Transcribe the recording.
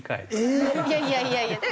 いやいやいやいや。